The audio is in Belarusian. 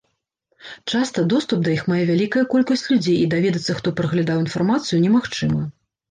Часта доступ да іх мае вялікая колькасць людзей і даведацца, хто праглядаў інфармацыю, немагчыма.